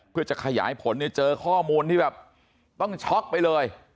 เพื่อจะขยายผลเนี่ยเจอข้อมูลที่แบบต้องช็อกไปเลย